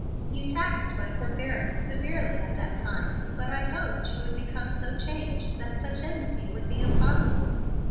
You taxed my forbearance severely at that time. But I hoped you would become so changed that such enmity would be impossible."